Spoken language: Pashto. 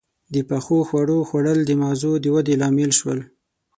• د پخو خوړو خوړل د مغزو د ودې لامل شول.